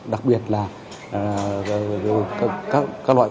đặc biệt là các loại